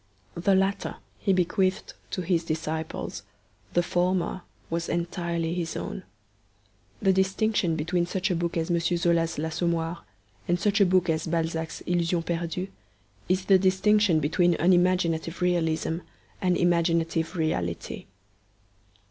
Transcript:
The latter he bequeathed to his disciples; the former was entirely his own. The distinction between such a book as M. Zola's L'Assommoir and such a book as Balzac's Illusions Perdues is the distinction between unimaginative realism and imaginative reality.